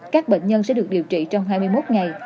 các bệnh nhân sẽ được điều trị trong hai mươi một ngày